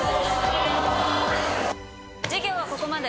授業はここまで。